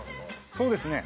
そうですね。